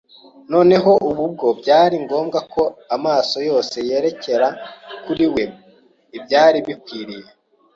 Noneho ubu bwo byari ngombwa ko amaso yose yerekera kuri we ibyari bikwiriye